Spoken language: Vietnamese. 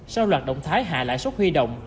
sau loạt động thái hạ lại suất huy động